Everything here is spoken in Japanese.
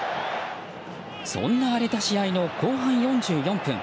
そんな荒れた試合の後半４４分。